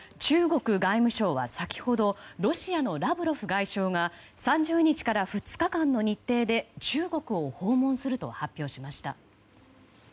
中国外務省は先ほどロシアのラブロフ外相が３０日から２日間の日程で中国を訪問すると発表しました。